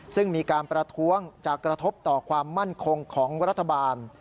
ซึ่งมีการประท้วงจะกระทบต่อความมั่นคงของรัฐบาล